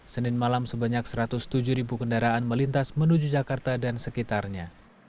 senin malam sebanyak satu ratus tujuh ribu kendaraan melintas menuju jakarta dan sekitarnya